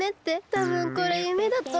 たぶんこれゆめだとおもう。